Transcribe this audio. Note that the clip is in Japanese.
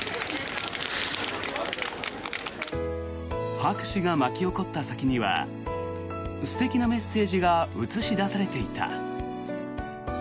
拍手が巻き起こった先には素敵なメッセージが映し出されていた。